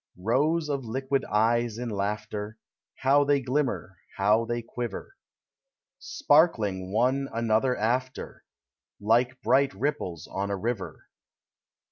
Rows of liquid eyes in laughter, How they glimmer, how they quiver! Sparkling one another after, Like bright ripples on a river.